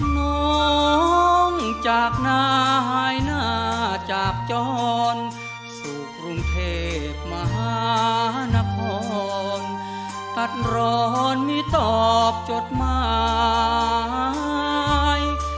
น้องจากนายหน้าจาบจรสู่กรุงเทพมหานครกัดร้อนมีตอบจดหมาย